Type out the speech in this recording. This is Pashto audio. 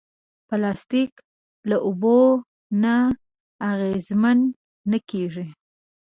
پلاستيک له اوبو نه اغېزمن نه کېږي.